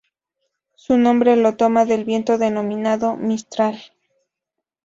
Su nombre lo toma del viento denominado "Mistral".